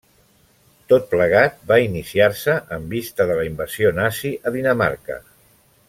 Tot plegat va iniciar-se en vista de la invasió nazi a Dinamarca.